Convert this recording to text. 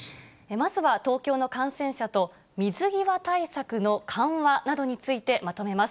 まずは東京の感染者と水際対策の緩和などについてまとめます。